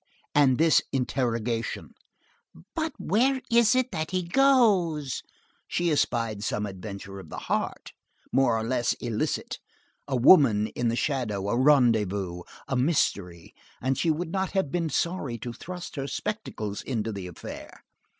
—and this interrogation: "But where is it that he goes?" She espied some adventure of the heart, more or less illicit, a woman in the shadow, a rendezvous, a mystery, and she would not have been sorry to thrust her spectacles into the affair.